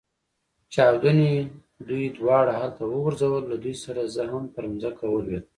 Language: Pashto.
چاودنې دوی دواړه هلته وغورځول، له دوی سره زه هم پر مځکه ولوېدم.